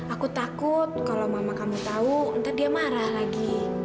aku takut kalau mama kamu tahu nanti dia marah lagi